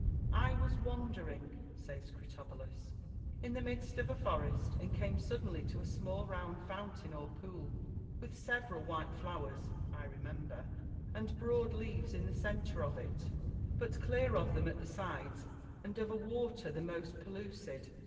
Marcus. " I was wandering," says Critobulus, '* in the midst of a forest, and came suddenly to a small round fountain or pool, with several white flowers (I remember) and broad leaves in the centre of it, but clear of them at 342 IM ACINAR Y CONVERSA TIONS. the sides, and of a water the most pellucid.